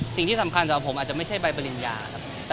สิ่งที่สำคัญกับผมไม่ใช่ใบปริญญา